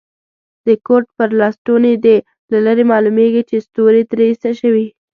د کوټ پر لستوڼي دي له لرې معلومیږي چي ستوري ترې ایسته شوي.